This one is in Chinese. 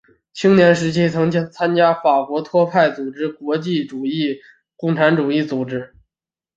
青年时期曾经参加法国托派组织国际主义共产主义组织。